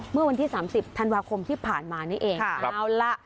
เมื่อวันที่สามสิบธันวาคมที่ผ่านมานี่เองค่ะครับเอาละ